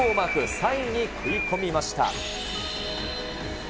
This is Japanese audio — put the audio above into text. ３位に食い込みました。